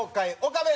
岡部